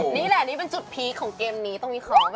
นี่แหละนี่เป็นจุดพีคของเกมนี้ต้องวิเคราะห์